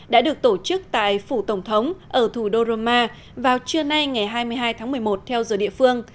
đã được tổ chức tại phủ tổng thống ở thủ đô roma vào trưa nay ngày hai mươi hai tháng một mươi một theo giờ địa phương